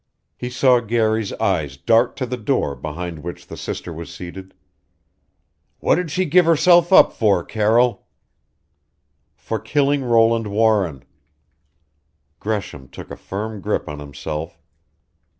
He saw Garry's eyes dart to the door behind which the sister was seated. "What did she give herself up for, Carroll?" "For killing Roland Warren." Gresham took a firm grip on himself.